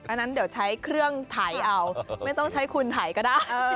อันนั้นเดี๋ยวใช้เครื่องถ่ายเอาไม่ต้องใช้คุณถ่ายก็ได้